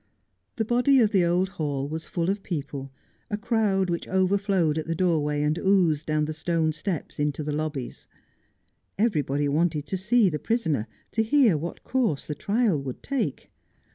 The body of the old hall was full of people, a crowd which overflowed at the doorway and oozed down the stone steps into the lobbies. Everybody wanted to see the prisoner, to hear what course the trial would take.